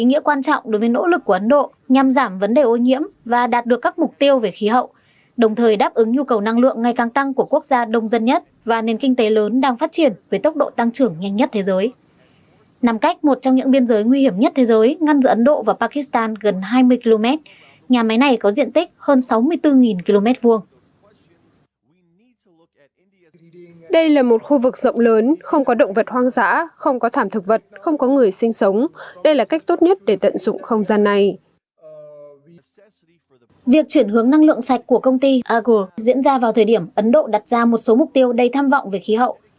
năng lượng sạch của công ty agro diễn ra vào thời điểm ấn độ đặt ra một số mục tiêu đầy tham vọng về khí hậu